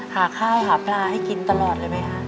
หาข้าวหาปลาให้กินตลอดเลยไหมคะ